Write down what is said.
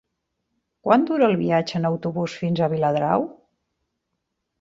Quant dura el viatge en autobús fins a Viladrau?